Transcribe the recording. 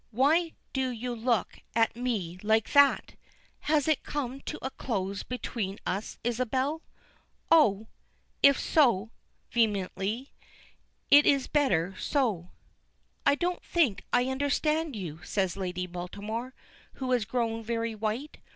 "Why do you look at me like that? Has it come to a close between us, Isabel? Oh! if so" vehemently "it is better so." "I don't think I understand you," says Lady Baltimore, who has grown very white.